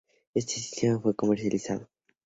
Este sistema fue comercializado.